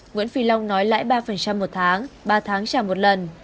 nguyễn phi long nói lãi ba một tháng ba tháng trả một lần